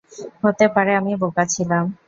হতে পারে আমি বোকা ছিলাম।